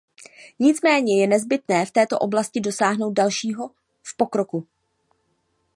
Nicméně je nezbytné v této oblasti dosáhnout dalšího v pokroku.